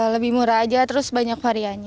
lebih murah aja terus banyak variannya